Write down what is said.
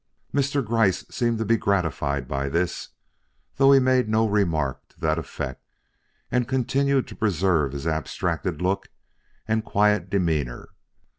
Mr. Gryce seemed to be gratified by this, though he made no remark to that effect and continued to preserve his abstracted look and quiet demeanor.